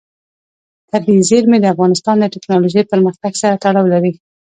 طبیعي زیرمې د افغانستان د تکنالوژۍ پرمختګ سره تړاو لري.